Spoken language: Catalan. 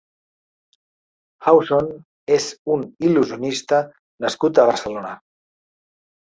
Hausson és un il·lusionista nascut a Barcelona.